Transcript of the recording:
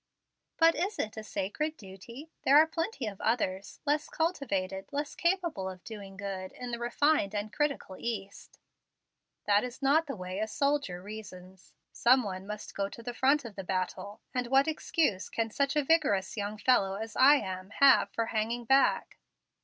"But is it 'a sacred duty'? There are plenty of others less cultivated, less capable of doing good in the refined and critical East." "That is not the way a soldier reasons. Some one must go to the front of the battle. And what excuse can such a vigorous young fellow as I am have for hanging back?"